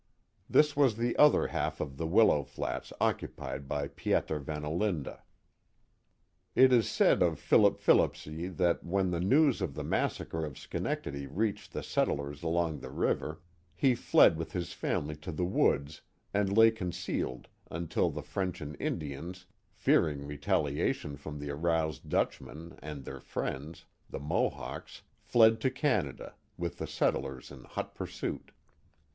This was the other half of the Willow Flats occupied by Pieter Van Olinda. It is said of Philip Phillipse that when the news of the mas sacre of Schenectady reached the settlers along the river, he fled with his family to the woods and lay concealed until the French and Indians, fearing retaliation from the aroused Dutchmen and their friends, the Mohawks, fled to Canada, with the settlers in hot pursuit.